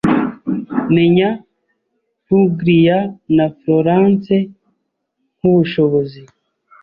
Menya Puglia na Florence nkubushobozi